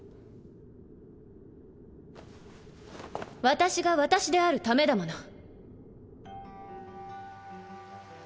私が私であるためだもの。